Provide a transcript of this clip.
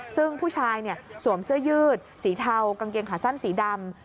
ซึ่งผู้ชายสวมเสื้อยืดสีเทากางเกงขาสั้นสีดำ